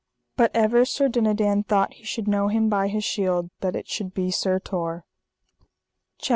But ever Sir Dinadan thought he should know him by his shield that it should be Sir Tor. CHAPTER XI.